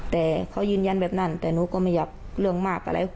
แต่เขายืนยันแบบนั้นแต่หนูก็ไม่อยากเรื่องมากอะไร